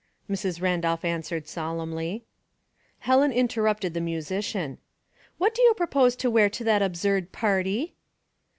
Mrs. Randolph answered sol emnly. Helen interrupted the musician. " What do you propose to wear to that absurd party